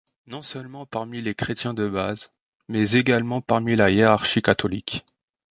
Non seulement parmi les chrétiens de base, mais également parmi la hiérarchie catholique.